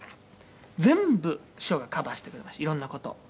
「全部師匠がカバーしてくれましたいろんな事を」